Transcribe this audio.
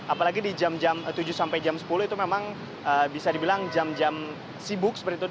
apalagi di jam jam tujuh sampai jam sepuluh itu memang bisa dibilang jam jam sibuk seperti itu